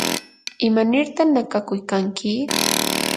¿imanirta nakakuykanki?